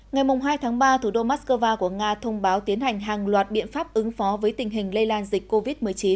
ngày hai tháng ba thủ đô moscow của nga thông báo tiến hành hàng loạt biện pháp ứng phó với tình hình lây lan dịch covid một mươi chín